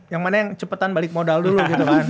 yang mana yang cepetan balik modal dulu gitu kan